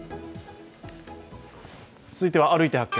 続いては「歩いて発見！